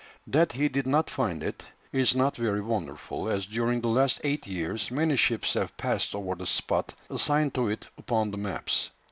That he did not find it is not very wonderful, as during the last eight years many ships have passed over the spot assigned to it upon the maps.